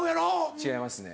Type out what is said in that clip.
違いますね